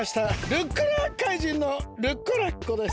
ルッコラ怪人のルッコラッコです。